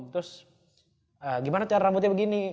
terus gimana cara rambutnya begini